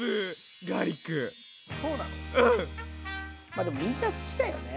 まあでもみんな好きだよね。